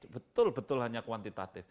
betul betul hanya kuantitatif